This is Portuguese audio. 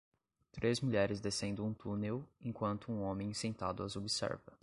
Três mulheres descendo um túnel enquanto um homem sentado as observa.